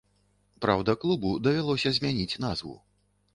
Праўда, клубу давялося змяніць назву.